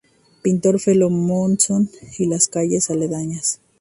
Pintor Felo Monzón y sus calles aledañas.